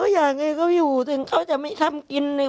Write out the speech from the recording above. อ๋อเขาอยากให้เขาอยู่ถึงเขาจะไม่ทำกินเลย